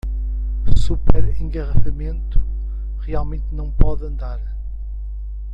Super engarrafamento, realmente não pode andar